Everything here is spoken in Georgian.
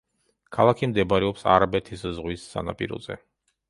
ქალაქი მდებარეობს არაბეთის ზღვის სანაპიროზე.